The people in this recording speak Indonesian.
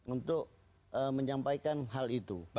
untuk menyampaikan hal itu